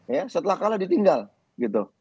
ya setelah kalah ditinggal gitu